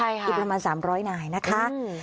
อีกประมาณ๓๐๐นายนะคะ